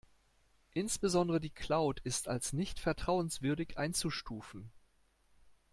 Insbesondere die Cloud ist als nicht vertrauenswürdig einzustufen.